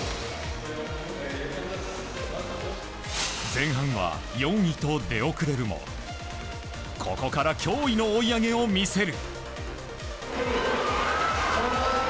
前半は４位と出遅れるもここから驚異の追い上げを見せる。